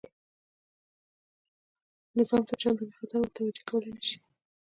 نظام ته چنداني خطر متوجه کولای نه شي.